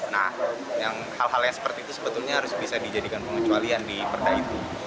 nah hal hal yang seperti itu sebetulnya harus bisa dijadikan pengecualian di perda itu